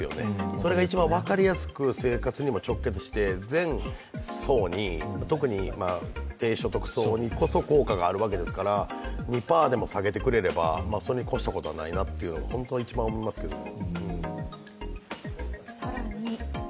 それが一番分かりやすく、生活にも直結して全層に、特に低所得層に効果があるわけですから、２％でも下げてくれればそれに越したことはないなと本当は一番思いますけどね。